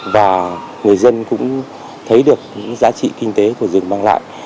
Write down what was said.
và người dân cũng thấy được những giá trị kinh tế của rừng mang lại